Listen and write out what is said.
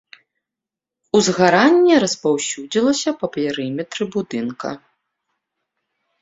Узгаранне распаўсюдзілася па перыметры будынка.